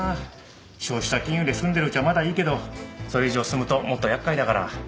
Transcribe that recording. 消費者金融で済んでるうちはまだいいけどそれ以上進むともっと厄介だから。